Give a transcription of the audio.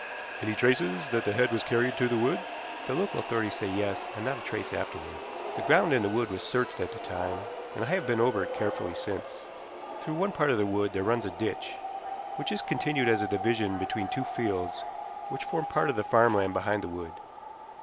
"Any traces that the head was carried to the wood?" "The local authorities say, 'Yes,' and not a trace afterward. The ground in the wood was searched at the time, and I have been over it carefully since. Through one part of the wood there runs a ditch, which is continued as a division between two fields which form part of the farm land behind the wood.